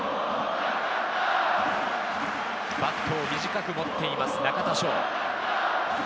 バットを短く持っています中田翔。